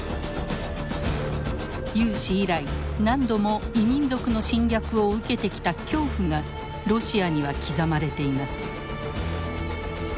有史以来何度も異民族の侵略を受けてきた恐怖がロシアには刻まれています。